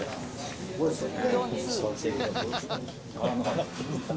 すごいっすね。